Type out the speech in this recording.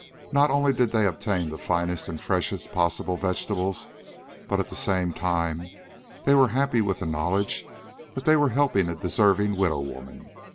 Not only did they obtain the finest and freshest possible vegetables, but at the same time they were happy with the knowledge that they were helping a deserving widow woman.